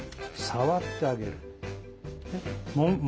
触ってあげる。